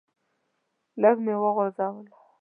لږه مې وځوروله.